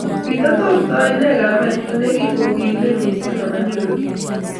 Kitatortoi ne kamenyu nikikokilei mising amanyoru kiy?